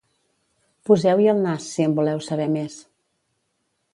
Poseu-hi el nas, si en voleu saber més.